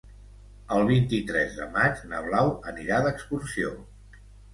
El vint-i-tres de maig na Blau anirà d'excursió.